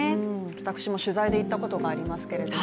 私も取材で行ったことがありますけれども、